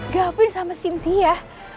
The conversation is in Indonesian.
gavine sama sinti ya